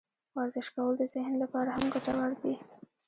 ورزش کول د ذهن لپاره هم ګټور دي.